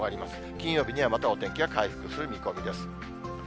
金曜日にはまたお天気が回復する見込みです。